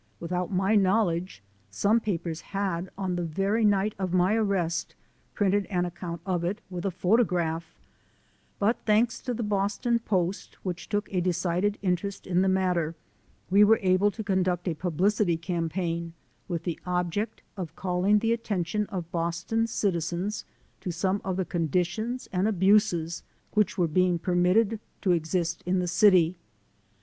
Without my knowledge, some papers had, on the very night of my arrest, printed an account of it with a photo graph, but thanks to the Boston Post, which took a decided interest in the matter, we were able to conduct a publicity campaign with the object of calling the attention of Boston's citizens to some of the conditions and abuses which were being per mitted to exist in the city.